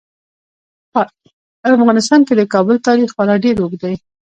په افغانستان کې د کابل تاریخ خورا ډیر اوږد دی.